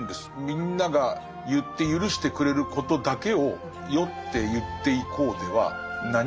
みんなが言って許してくれることだけを選って言っていこうでは何も響かない。